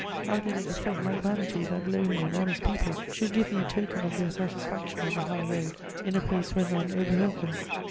How did it affect my vanity that lowly and honest people should give me a token of their satisfaction on the high road, in a place where none overheard them?